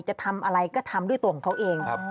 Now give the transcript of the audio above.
จะทำอะไรก็ทำด้วยตัวของเขาเอง